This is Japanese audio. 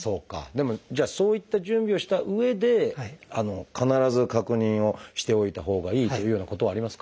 でもじゃあそういった準備をしたうえで必ず確認をしておいたほうがいいというようなことはありますか？